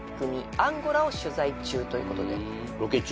アンゴラを取材中ということでロケ中？